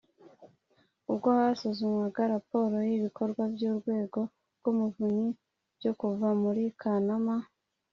ubwo hasuzumwaga raporo y ibikorwa by Urwego rw Umuvunyi byo kuva muri kanama